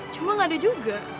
cuma gak ada juga